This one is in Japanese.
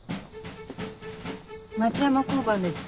町山交番です。